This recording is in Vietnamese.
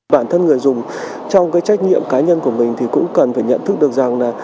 bản thân người dùng trong trách nhiệm cá nhân của mình cũng cần nhận thức được rằng